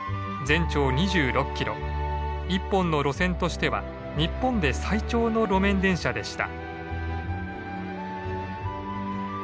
１本の路線としては日本で最長の路面電車でした。